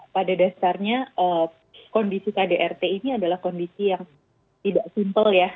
pada dasarnya kondisi kdrt ini adalah kondisi yang tidak simple ya